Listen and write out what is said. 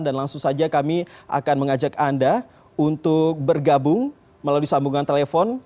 dan langsung saja kami akan mengajak anda untuk bergabung melalui sambungan telepon